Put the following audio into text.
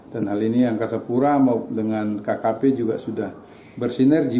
dan hal ini angkasa pura dengan kkp juga sudah bersinergi